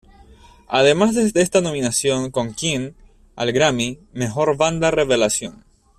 Además de estar nominado con Keane al Grammy, "Mejor Banda Revelación".